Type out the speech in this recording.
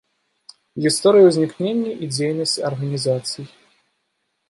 Гісторыя ўзнікнення і дзейнасць арганізацый.